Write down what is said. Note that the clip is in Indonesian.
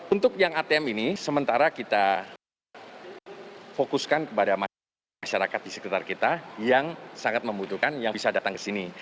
untuk yang atm ini sementara kita fokuskan kepada masyarakat di sekitar kita yang sangat membutuhkan yang bisa datang ke sini